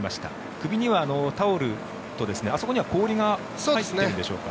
首にはタオルとあそこには氷が入ってるんでしょうか。